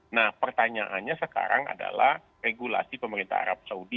nah pertanyaannya sekarang adalah regulasi pemerintah arab saudi